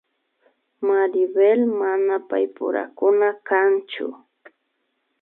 Maribel mana paypurakuna kanchu